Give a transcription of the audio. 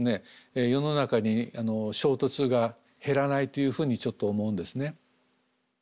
世の中に衝突が減らないというふうにちょっと思うんですね。